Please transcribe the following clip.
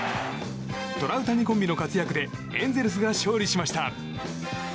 トラウタニコンビの活躍でエンゼルスが勝利しました。